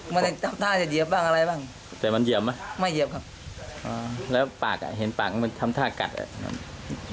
ไม่ได้จับท่าจะเหยียบบ้างอะไรบ้างแต่มันเหยียบไหมไม่เหยียบครับอ่าแล้วปากอ่ะเห็นปากมันทำท่ากัดอ่ะครับ